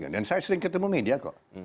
dan saya sering ketemu media kok